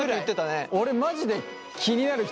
俺マジで気になる人